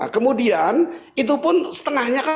kemudian itu pun setengahnya